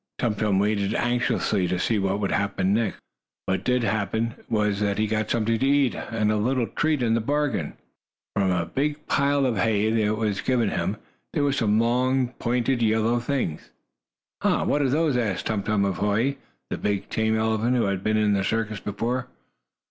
Tum Tum waited anxiously to see what would happen next. What did happen was that he got something to eat, and a little treat into the bargain. For with the big pile of hay that was given him, there were some long, pointed yellow things. "Ha! What are those?" asked Tum Tum of Hoy, the big, tame elephant who had been in a circus before.